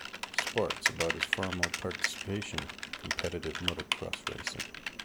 Sports, about his formal participation in competitive motorcross racing.